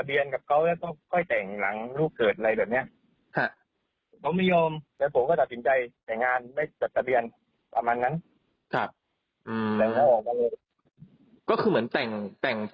มีการคบซ้อนอะไรมีข้อเทปจริงเป็นยังไง